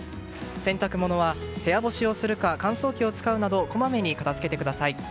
洗濯物は部屋干しをするか乾燥機を使うなどこまめに片づけてください。